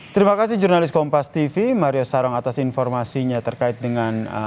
terima kasih jurnalis kompas tv maria sarong atas informasinya terkait dengan